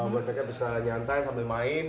buat mereka bisa nyantai sambil main